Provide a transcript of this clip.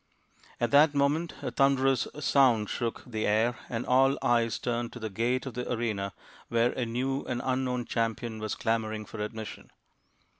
At that moment a thunderous sound shook the air, and all eyes turned to the gate of the arena, where a new and unknown champion was clamouring for admission.